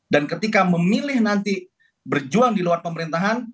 dan ketika memilih nanti berjuang di luar pemerintahan